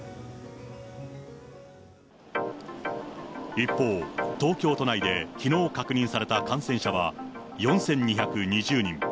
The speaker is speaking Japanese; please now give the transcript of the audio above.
一方、東京都内できのう確認された感染者は４２２０人。